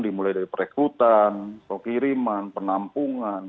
dimulai dari perekrutan pengkiriman penampungan